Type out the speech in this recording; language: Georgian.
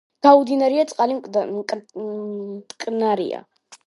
გაუდინარია, წყალი მტკნარია.